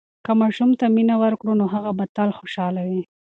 که ماشوم ته مینه ورکړو، نو هغه به تل خوشحاله وي.